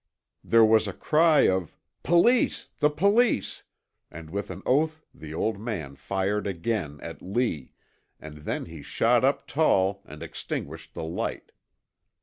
There was a cry of "Police, the Police" and with an oath the old man fired again, at Lee, and then he shot up tall and extinguished the light.